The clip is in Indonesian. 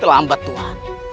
telah ambat tuhan